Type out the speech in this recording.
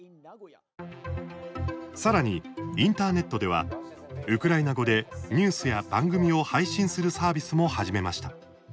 さらに、インターネットではウクライナ語でニュースや番組を配信するサービスも始めました。